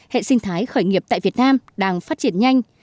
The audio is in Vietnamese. hệ sinh thái khởi nghiệp tại việt nam đang phát triển nhanh